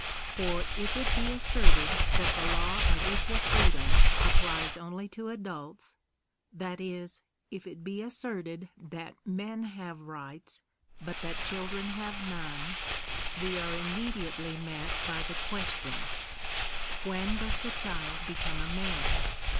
For, if it be asserted that the law of equal freedom applies only to adults ; that is, if it be as serted that men have rights, but that children have none, we are immediately met by the question — When does the child become a man?